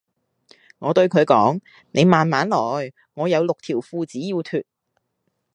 我對佢講:你慢慢來,我有六條褲子要脫